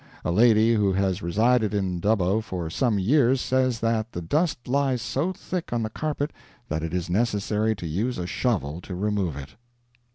A lady who has resided in Dubbo for some years says that the dust lies so thick on the carpet that it is necessary to use a shovel to remove it."